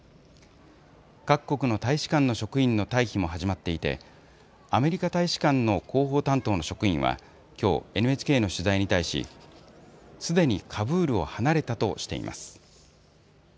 各国の大使館の職員の退避も始まっていてアメリカ大使館の広報担当の職員はきょうＮＨＫの取材に対しすでにカブールを離れたとしています。